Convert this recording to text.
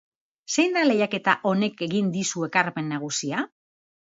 Zein da lehiaketa honek egin dizu ekarpen nagusia?